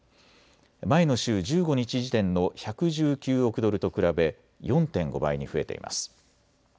前の週、１５日時点の１１９億ドルと比べ４．５倍に増えています。